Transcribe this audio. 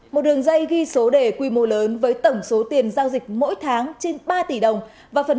một đường dây ghi số đề quy mô lớn với tổng số tiền giao dịch mỗi tháng trên ba tỷ đồng